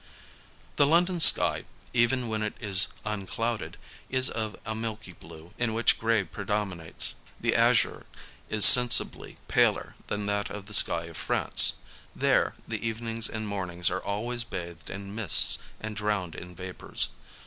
The London sky, even when it is unclouded, is of a milky blue in which grey predominates. The azure is sensibly paler than that of the sky of France : there, the evenings and mornings are always bathed in mists and drowned in vapours.